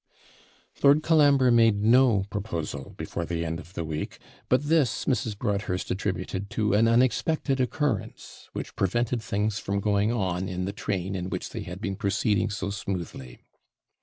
Lord Colambre made no proposal before the end of the week, but this Mrs. Broadhurst attributed to an unexpected occurrence, which prevented things from going on in the train in which they had been proceeding so smoothly.